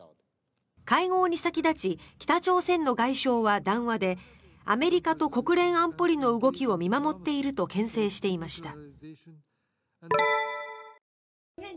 会合に先立ち、北朝鮮の外相は談話でアメリカと国連安保理の動きを見守っているとけん制していました。